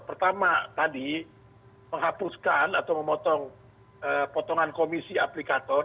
pertama tadi menghapuskan atau memotong potongan komisi aplikator